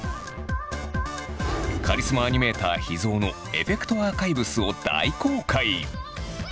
カリスマアニメーター秘蔵のエフェクトアーカイブスを大公開！